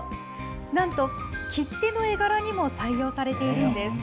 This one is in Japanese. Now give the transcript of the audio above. なんと切手の絵柄にも採用されているんです。